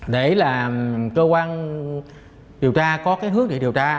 để là cơ quan điều tra có cái hướng để điều tra